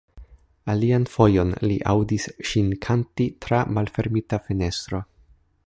Alian fojon li aŭdis ŝin kanti tra malfermita fenestro.